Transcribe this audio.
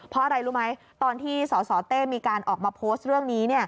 เพราะอะไรรู้ไหมตอนที่สสเต้มีการออกมาโพสต์เรื่องนี้